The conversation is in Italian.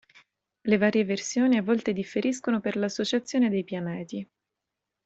Le varie versioni a volte differiscono per l'associazione dei pianeti.